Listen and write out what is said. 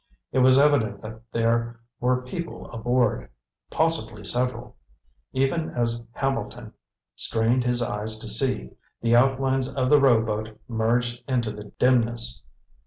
It was evident that there were people aboard, possibly several. Even as Hambleton strained his eyes to see, the outlines of the rowboat merged into the dimness.